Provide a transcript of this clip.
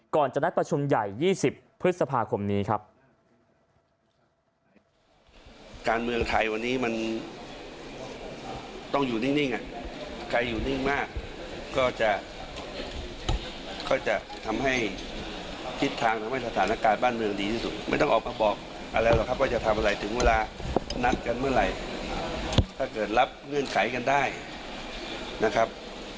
ก่อนจะนัดประชุมใหญ่๒๐พฤษภาคมนี้ครับ